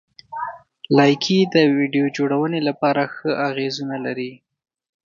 لایکي د ویډیو جوړونې لپاره ښه اغېزونه لري.